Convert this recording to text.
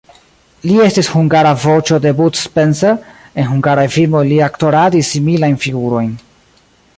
Li estis hungara voĉo de Bud Spencer, en hungaraj filmoj li aktoradis similajn figurojn.